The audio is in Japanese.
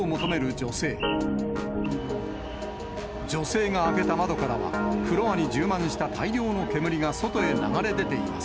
女性が開けた窓からは、フロアに充満した大量の煙が外へ流れ出ています。